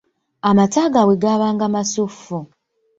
Amata gaabwe gabanga masuffu.